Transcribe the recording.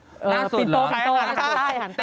ล่าสุดเหรอปิดโตของตัวอาหารใต้อาหารใต้